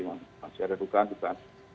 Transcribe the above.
masih ada dukaan juga